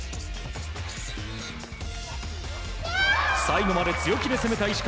最後まで強気で攻めた石川。